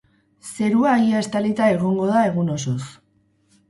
Zerua ia estalita egongo da egun osoz.